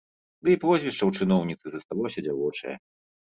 Ды і прозвішча ў чыноўніцы засталося дзявочае.